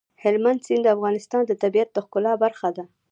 هلمند سیند د افغانستان د طبیعت د ښکلا برخه ده.